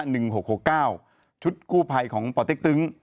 ชุดซูมชุดกู้ภัยของปอเต๊กตึง